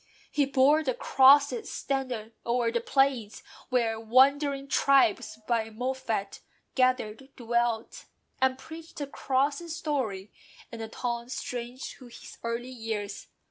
He bore the Cross's standard o'er the plains Where wandering tribes by MOFFAT gathered dwelt; And preached the Cross's story in the tongues Strange to his earlier years.